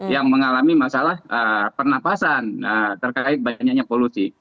yang mengalami masalah pernapasan terkait banyaknya polusi